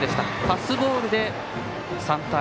パスボールで３対２。